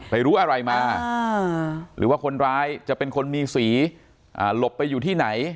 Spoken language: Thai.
รู้อะไรมาหรือว่าคนร้ายจะเป็นคนมีสีหลบไปอยู่ที่ไหน